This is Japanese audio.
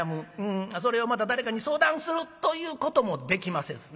それをまた誰かに相談するということもできませんしね。